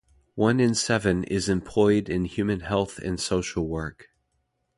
One in seven is employed in human health and social work.